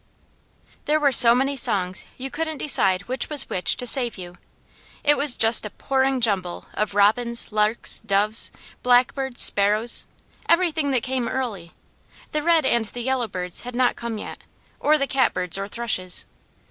There were so many songs you couldn't decide which was which to save you; it was just a pouring jumble of robins, larks, doves, blackbirds, sparrows, everything that came that early; the red and the yellow birds had not come yet, or the catbirds or thrushes.